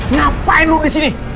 ngapain lu disini